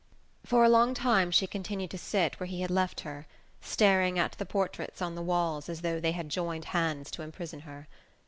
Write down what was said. For a long time she continued to sit where he had left her, staring at the portraits on the walls as though they had joined hands to imprison her.